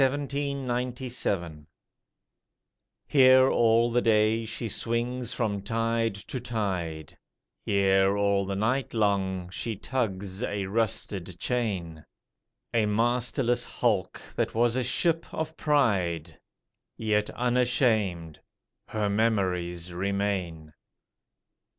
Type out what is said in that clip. The Captain 1797 _Here all the day she swings from tide to tide, Here all night long she tugs a rusted chain, A masterless hulk that was a ship of pride, Yet unashamed: her memories remain.